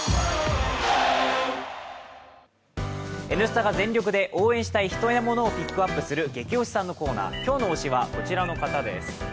「Ｎスタ」が全力で応援したい人や物をピックアップするゲキ推しさんのコーナー、今日の推しはこちらの方です。